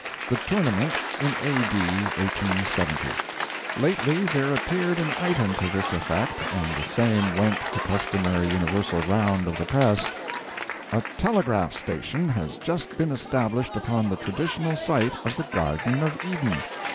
THE "TOURNAMENT" IN A.D. 1870 Lately there appeared an item to this effect, and the same went the customary universal round of the press: A telegraph station has just been established upon the traditional site of the Garden of Eden.